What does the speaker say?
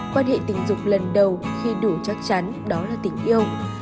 quan hệ tình dục lần đầu khi đủ chắc chắn đó là tình yêu